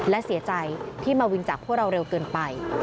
และเสียใจที่มาวินจากพวกเราเร็วเกินไป